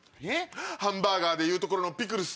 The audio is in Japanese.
ハンバーガーでいうところのピクルス。